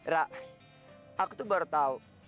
rak aku tuh baru tahu